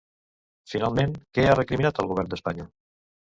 Finalment, què ha recriminat al Govern d'Espanya?